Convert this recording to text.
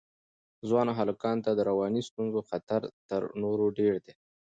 ځوانو هلکانو ته د رواني ستونزو خطر تر نورو ډېر دی.